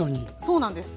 そうなんです。